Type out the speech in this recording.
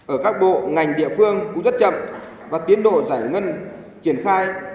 ở các bộ ngành địa phương cũng rất chậm và tiến độ giải ngân triển khai